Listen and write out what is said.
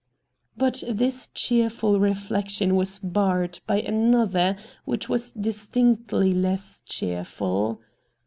But this cheering reflection was barred by another which was distinctly less cheerful.